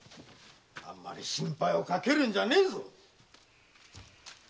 あんまり心配をかけるんじゃねぇぞ。